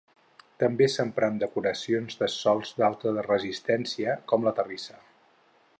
També s'empra en decoracions de sòls d'alta resistència, com la terrissa.